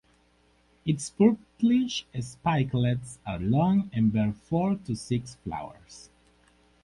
Its purplish spikelets are long and bear four to six flowers.